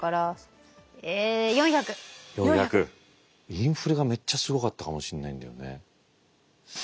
インフレがめっちゃすごかったかもしんないんだよね。